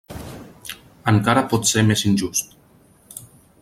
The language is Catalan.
Encara pot ser més injust.